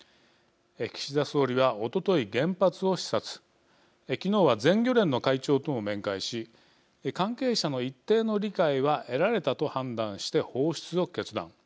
岸田総理は、おととい原発を視察昨日は全漁連の会長とも面会し関係者の一定の理解は得られたと判断して放出を決断。